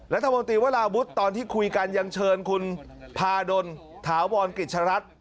รัฐมนตรีวราวุฒิตอนที่คุยกันยังเชิญคุณพาดลถาวรกฤชรัฐ